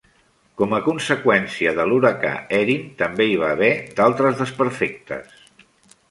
Com a conseqüència de l'huracà Erin també hi va haver d'altres desperfectes.